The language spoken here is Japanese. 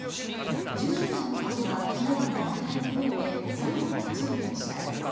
重症者の数は昨日から２人増えて３８人でした。